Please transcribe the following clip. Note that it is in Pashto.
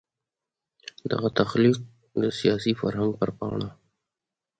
دغه تخلیق د سیاسي فرهنګ پر پاڼه.